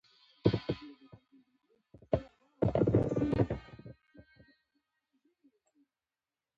پخواني کسان د کان په را ايستلو کې ناکام شوي وو.